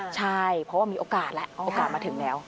ใช่เพราะว่ามีโอกาสแล้วโอกาสมาถึงแล้ว